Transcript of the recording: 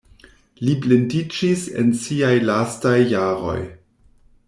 Li blindiĝis en siaj lastaj jaroj.